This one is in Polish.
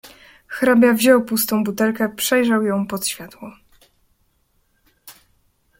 "Hrabia wziął pustą butelkę przejrzał ją pod światło."